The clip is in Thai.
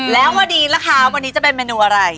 แล้ววันนี้ล่ะคะวันนี้จะเป็นเมนูอะไร